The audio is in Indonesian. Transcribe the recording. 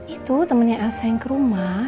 itu temannya elsa yang ke rumah